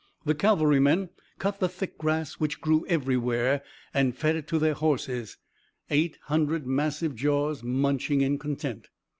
The cavalrymen cut the thick grass which grew everywhere, and fed it to their horses, eight hundred massive jaws munching in content.